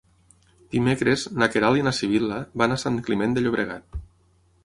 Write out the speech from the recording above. Dimecres na Queralt i na Sibil·la van a Sant Climent de Llobregat.